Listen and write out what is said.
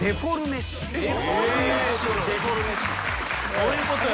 どういうことや？